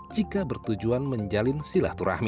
jika bertujuan menjalin silaturahmi